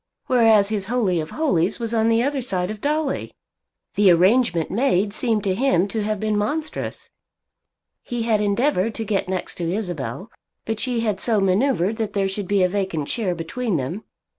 Whereas his Holy of Holies was on the other side of Dolly! The arrangement made seemed to him to have been monstrous. He had endeavoured to get next to Isabel; but she had so manoeuvred that there should be a vacant chair between them.